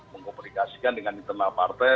mengkomunikasikan dengan internal partai